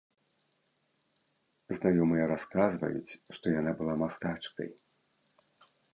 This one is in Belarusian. Знаёмыя расказваюць, што яна была мастачкай.